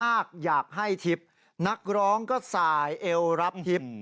อยากให้ทิพย์นักร้องก็สายเอวรับทิพย์